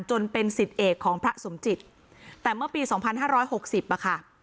จนเป็นสิทธิ์เอกของพระสมจิตแต่เมื่อปีสองพันห้าร้อยหกสิบอะค่ะ